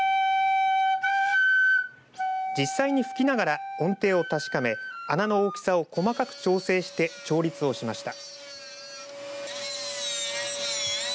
実際に吹きながら音程を確かめ穴の大きさを細かく調整して調律をしました。